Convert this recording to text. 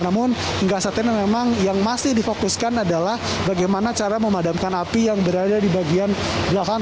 namun hingga saat ini memang yang masih difokuskan adalah bagaimana cara memadamkan api yang berada di bagian belakang